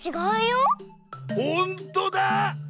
ほんとだ！